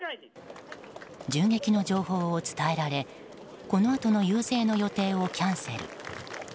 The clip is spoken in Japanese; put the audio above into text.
銃撃の情報を伝えられこのあとの遊説の予定をキャンセル。